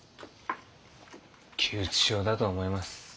気鬱症だと思います。